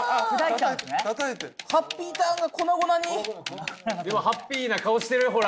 たたいてハッピーターンが粉々にでもハッピーな顔してるほら